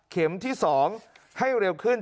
ที่๒ให้เร็วขึ้น